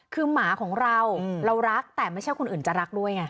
คือหมาของเราเรารักแต่ไม่ใช่คนอื่นจะรักด้วยไง